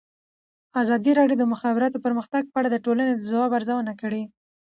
ازادي راډیو د د مخابراتو پرمختګ په اړه د ټولنې د ځواب ارزونه کړې.